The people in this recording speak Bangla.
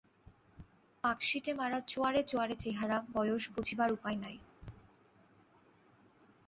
পাকশিটে-মারা চোয়াড়ে-চোয়াড়ে চেহারা, বয়স বুঝিবার উপায় নাই।